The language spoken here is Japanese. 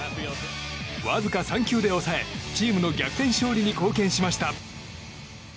わずか３球で抑えチームの逆転勝利に貢献しました。